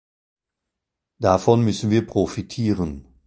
Davon müssen wir profitieren.